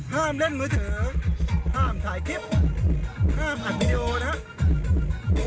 ห้ามเล่นมือถือห้ามถ่ายคลิปห้ามอัดวิดีโอนะครับ